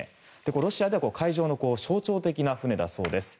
ロシアでは海上の象徴的な船だそうです。